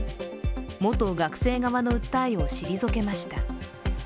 元学生側の訴えを退けました。